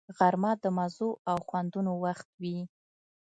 غرمه د مزو او خوندونو وخت وي